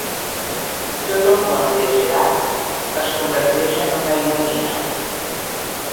Tot el món de Gerard es converteix en una ironia.